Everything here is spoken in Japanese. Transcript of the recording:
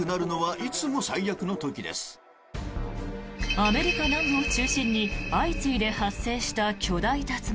アメリカ南部を中心に相次いで発生した巨大竜巻。